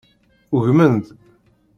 Ugmen-d.